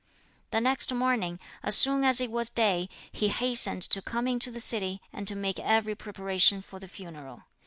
The next morning, as soon as it was day, he hastened to come into the city and to make every preparation for the funeral.